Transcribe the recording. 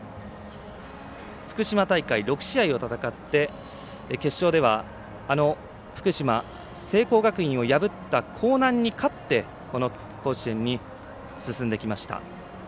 福島大会６試合を戦って決勝では福島、聖光学院を破った光南に勝ってこの甲子園に進んできました。